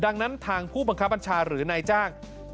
ดังนั้นทางผู้บังคับบัญชาหรือนายจ้าง